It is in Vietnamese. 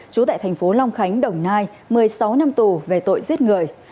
trú tại thành phố long khánh đồng nai một mươi sáu năm tù về tội giết người